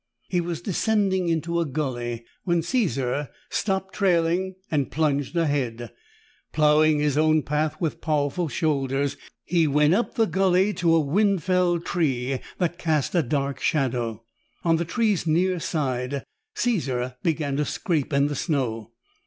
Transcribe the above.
He was descending into a gulley when Caesar stopped trailing and plunged ahead. Plowing his own path with powerful shoulders, he went up the gulley to a wind felled tree that cast a dark shadow. On the tree's near side, Caesar began to scrape in the snow.